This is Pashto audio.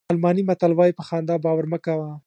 الماني متل وایي په خندا باور مه کوه.